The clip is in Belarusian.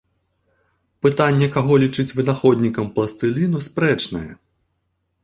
Пытанне каго лічыць вынаходнікам пластыліну спрэчнае.